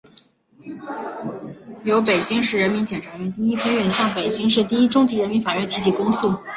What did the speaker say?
由北京市人民检察院第一分院向北京市第一中级人民法院提起公诉